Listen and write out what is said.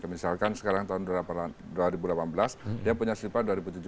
misalkan sekarang tahun dua ribu delapan belas dia punya sifat dua ribu tujuh belas